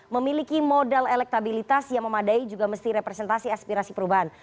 memiliki modal elektabilitas yang memadai juga mesti representasi aspirasi perubahan